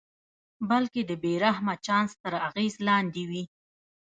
بلکې د بې رحمه چانس تر اغېز لاندې وي.